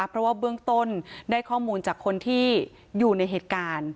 เพราะว่าเบื้องต้นได้ข้อมูลจากคนที่อยู่ในเหตุการณ์